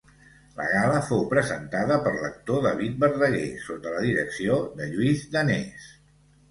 La gala fou presentada per l'actor David Verdaguer, sota la direcció de Lluís Danés.